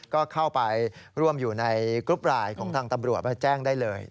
ก็เข้าไปร่วมอยู่ในกรุ๊ปไลน์ของทางตำรวจแจ้งได้เลย